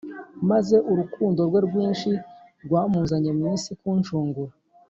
Maze urukundo rwe rwinshi rwamuzanye mu isi kuncungura